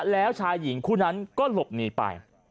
แล้วชายหญิงคู่นั้นก็หลบหนีไป